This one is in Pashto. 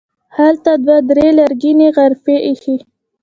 همدلته دوه درې لرګینې غرفې ایښي.